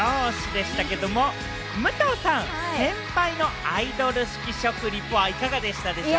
でしたけれども、武藤さん、先輩のアイドル式食リポはいかがでしたでしょうか？